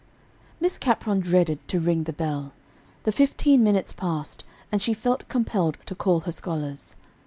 Miss Capron dreaded to ring the bell. The fifteen minutes passed, and she felt compelled to call her scholars.